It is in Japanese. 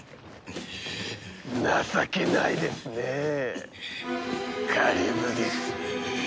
情けないですねえカリュブディス。